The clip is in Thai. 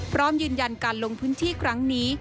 พร้อมยืนยันการลงพื้นที่ครั้งนี้